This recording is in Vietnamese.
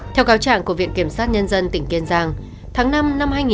theo cáo chẳng của viện kiểm soát nhân dân tỉnh kiên giang tháng năm năm hai nghìn bảy